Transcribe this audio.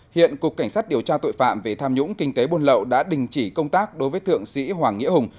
hiện cục cảnh sát điều tra tội phạm về tham nhũng kinh tế buôn lậu đã đình chỉ công tác đối với thượng sĩ hoàng nghĩa hùng